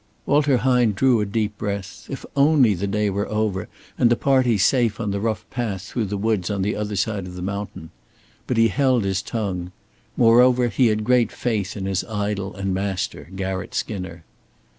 Walter Hine drew a deep breath. If only the day were over, and the party safe on the rough path through the woods on the other side of the mountain! But he held his tongue. Moreover, he had great faith in his idol and master, Garratt Skinner.